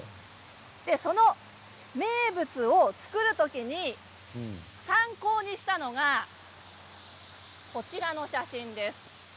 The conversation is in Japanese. その名物を作る時に参考にしたのがこちらの写真です。